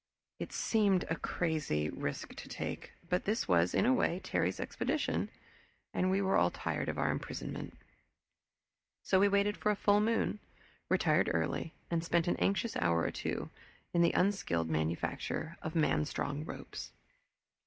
It seemed a crazy risk to take, but this was, in a way, Terry's expedition, and we were all tired of our imprisonment. So we waited for full moon, retired early, and spent an anxious hour or two in the unskilled manufacture of man strong ropes.